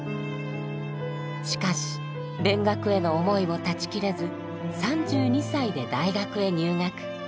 しかし勉学への思いを断ち切れず３２歳で大学へ入学。